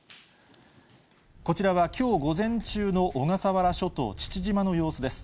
こちらはきょう午前中の小笠原諸島・父島の様子です。